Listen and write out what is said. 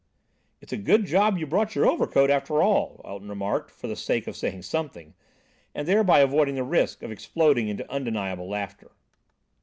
"It's a good job you brought your overcoat, after all," Elton remarked for the sake of saying something, and thereby avoiding the risk of exploding into undeniable laughter.